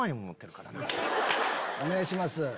お願いします。